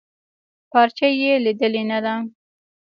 پارچه يې ليدلې نده.